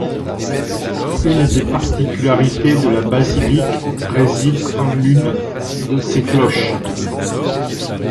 Une des particularités de la basilique réside en l’une de ses cloches.